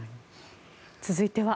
続いては。